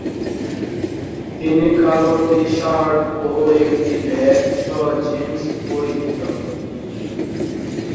তিনি কালো টি-শার্ট ও একটি ব্যাগ সহ জিন্স পরিহিত।